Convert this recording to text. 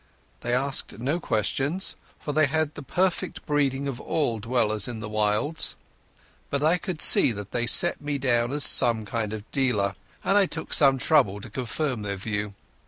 They asked me no questions, for they had the perfect breeding of all dwellers in the wilds, but I could see they set me down as a kind of dealer, and I took some trouble to confirm their view.